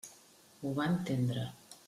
Ho va entendre.